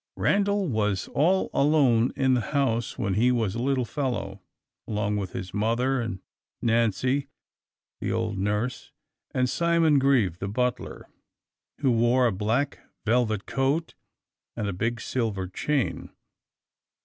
Randal was all alone in the house when he was a little fellow alone with his mother, and Nancy the old nurse, and Simon Grieve the butler, who wore a black velvet coat and a big silver chain.